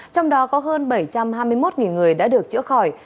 trong đó có hơn bảy trăm hai mươi một người đã được chữa khỏi